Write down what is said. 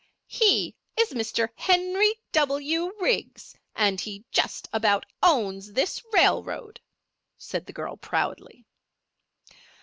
"He is Mr. Henry W. Riggs, and he just about owns this railroad," said the girl, proudly.